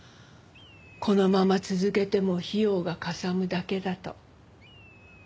このまま続けても費用がかさむだけだと。